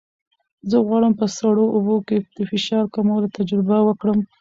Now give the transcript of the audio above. زه غواړم په سړو اوبو کې د فشار کمولو تجربه وکړم.